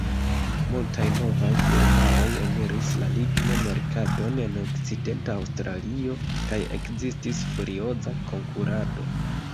Multaj novaj firmaoj eniris la ligno-merkaton en Okcidenta Aŭstralio, kaj ekzistis furioza konkurado.